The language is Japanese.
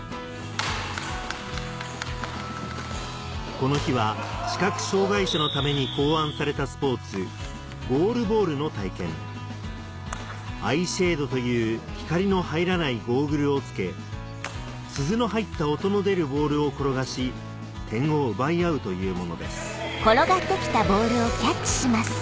この日は視覚障がい者のために考案されたスポーツゴールボールの体験アイシェードという光の入らないゴーグルをつけ鈴の入った音の出るボールを転がし点を奪い合うというものです